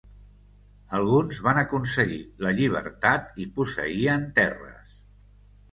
Alguns van aconseguir la llibertat i posseïen terres.